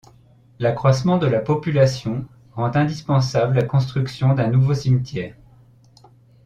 L'accroissement de la population rend indispensable la construction d'un nouveau cimetière.